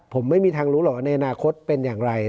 ผมไม่มีทางรู้หรอกในอนาคตเป็นอย่างไร